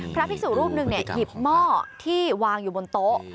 พระภิกษุรูปหนึ่งหยิบหม้อที่วางอยู่บนโต๊ะ